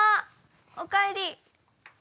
おかえり。